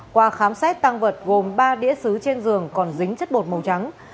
qua khám xét tăng vật gồm ba đĩa xứ trên giường còn dính chất bột màu trắng